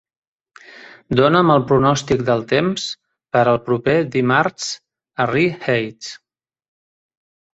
dona'm el pronòstic del temps per al proper dimarts a Ree Heights